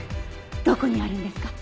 どこにあるんですか？